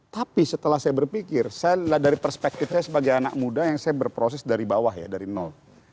tapi setelah saya berpikir saya dari perspektif saya sebagai anak muda yang saya berproses dari bawah ya dari nol